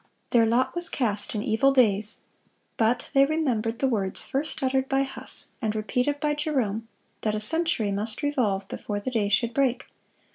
"Their lot was cast in evil days, but ... they remembered the words first uttered by Huss, and repeated by Jerome, that a century must revolve before the day should break.